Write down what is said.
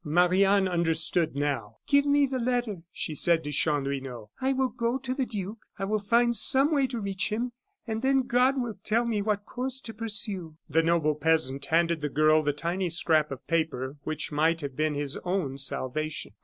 '" Marie Anne understood now. "Give me the letter," she said to Chanlouineau, "I will go to the duke. I will find some way to reach him, and then God will tell me what course to pursue." The noble peasant handed the girl the tiny scrap of paper which might have been his own salvation.